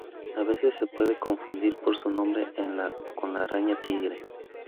A veces se puede confundir por su nombre con la araña tigre.